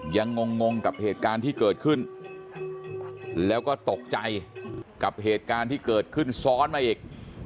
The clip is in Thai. งงกับเหตุการณ์ที่เกิดขึ้นแล้วก็ตกใจกับเหตุการณ์ที่เกิดขึ้นซ้อนมาอีก